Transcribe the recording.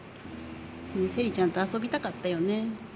セリちゃんと遊びたかったよね。